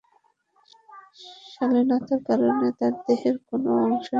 শালীনতার কারণে তার দেহের কোন অংশই দেখা যেতো না।